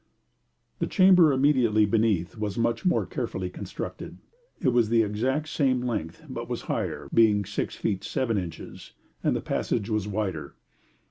The chamber immediately beneath was much more carefully constructed; it was exactly the same length, but was higher, being 6 feet 7 inches, and the passage was wider.